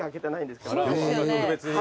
特別に。